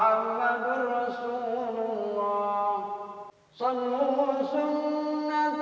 allah is allah allah is allah